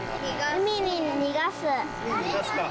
海に逃がす。